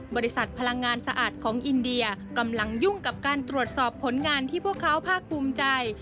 บริษัทพลังงานสะอาดของอินเดียกำลังยุ่งกับการตรวจสอบผลงานที่พวกเขาภาคภูมิใจ